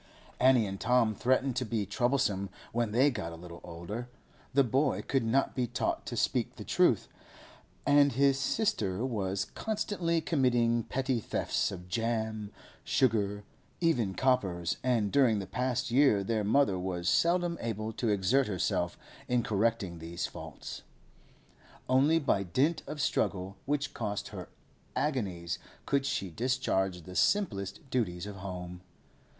Annie and Tom threatened to be troublesome when they got a little older; the boy could not be taught to speak the truth, and his sister was constantly committing petty thefts of jam, sugar, even coppers; and during the past year their mother was seldom able to exert herself in correcting these faults. Only by dint of struggle which cost her agonies could she discharge the simplest duties of home.